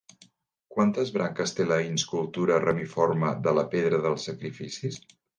Quantes branques té la inscultura ramiforme de la Pedra dels Sacrificis?